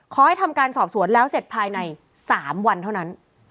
ขอให้ทำการสอบสวนแล้วเสร็จภายใน๓วันเท่านั้น